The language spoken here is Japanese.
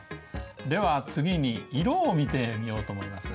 では次に色を見てみようと思います。